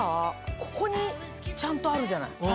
ここにちゃんとあるじゃない。